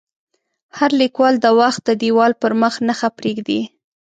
هر لیکوال د وخت د دیوال پر مخ نښه پرېږدي.